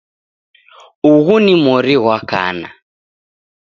Ughu ni mori ghwa kana